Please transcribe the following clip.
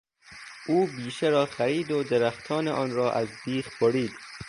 او بیشه را خرید و درختان آن را از بیخ برید.